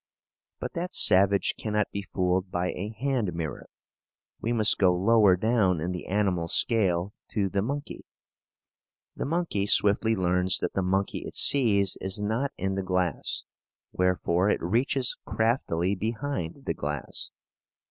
But that savage cannot be fooled by a hand mirror. We must go lower down in the animal scale, to the monkey. The monkey swiftly learns that the monkey it sees is not in the glass, wherefore it reaches craftily behind the glass.